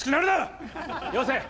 よせ！